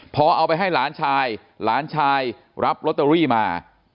พอเอาไปให้หลานชายหลานชายรับลอตเตอรี่มา